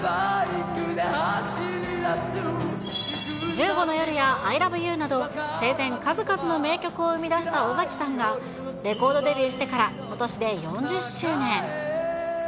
１５の夜やＩＬＯＶＥＹＯＵなど、生前、数々の名曲を生み出した尾崎さんが、レコードデビューしてからことしで４０周年。